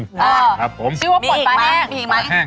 ฟิวว่าปวดปลาแห้ง